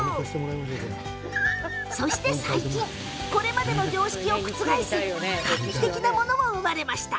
そして、最近これまでの常識を覆す画期的なものも生まれました。